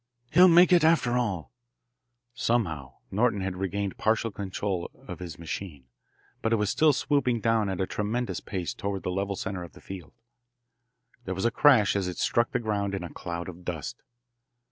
"He'll make it, after all!" Somehow Norton had regained partial control of his machine, but it was still swooping down at a tremendous pace toward the level centre of the field. There was a crash as it struck the ground in a cloud of dust.